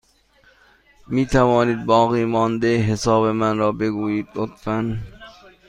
می توانید باقیمانده حساب من را بگویید، لطفا؟